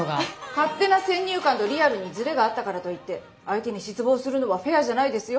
勝手な先入観とリアルにずれがあったからといって相手に失望するのはフェアじゃないですよ。